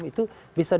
itu bisa dipakai